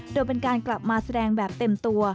โดยเป็นการกลับมาแสดงแบบเต็มตัว